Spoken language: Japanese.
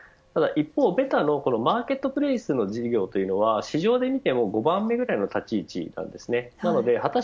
一方、メタのマーケットプレイスの事業というのは市場で見ても５番目くらいの立ち位置なんです。